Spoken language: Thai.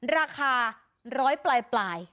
ราคาร้อยปลาย